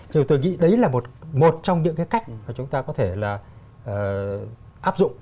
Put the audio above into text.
thì tôi nghĩ đấy là một trong những cái cách mà chúng ta có thể là áp dụng